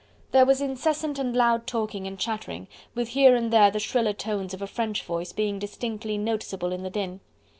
There was incessant and loud talking and chattering, with here and there the shriller tones of a French voice being distinctly noticeable in the din.